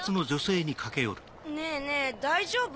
ねぇねぇ大丈夫？